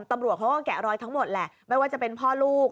ตำรวจเขาก็แกะรอยทั้งหมดแหละไม่ว่าจะเป็นพ่อลูก